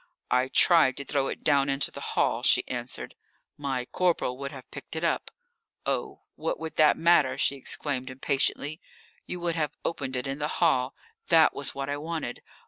"I tried to throw it down into the hall," she answered. "My corporal would have picked it up." "Oh, what would that matter?" she exclaimed impatiently. "You would have opened it in the hall. That was what I wanted.